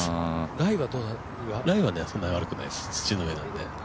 ライはそんなに悪くないです、土の上なので。